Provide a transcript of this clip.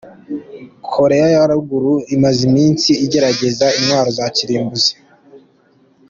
Koreya ya Ruguru imaze iminsi igerageza intwaro za kirimbuzi